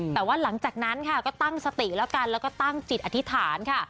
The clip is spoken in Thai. แต่ว่าหลังจากนั้นค่ะก็ตั้งสติแล้วกันแล้วก็ตั้งจิตอธิษฐานค่ะ